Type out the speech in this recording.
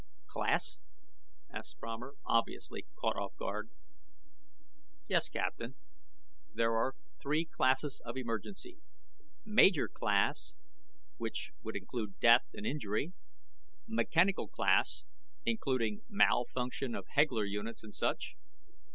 "Class?" asked Fromer, obviously caught off guard. "Yes, Captain. There are three classes of emergencies. Major class, which would include death and injury. Mechanical class, including malfunction of Hegler units and such.